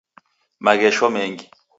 Maghesho mengi